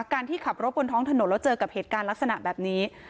การที่ขับรถบนท้องถนนแล้วเจอกับเหตุการณ์ลักษณะแบบนี้